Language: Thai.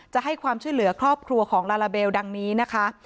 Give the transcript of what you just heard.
จะให้ความช่วยเหลือครอบครัวของลาลาเบลดังนี้นะคะ